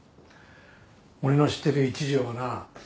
俺の知ってる一条はな